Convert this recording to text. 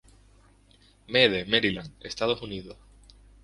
Meade, Maryland, Estados Unidos.